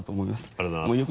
ありがとうございます。